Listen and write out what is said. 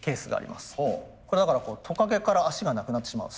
だからトカゲから脚がなくなってしまう。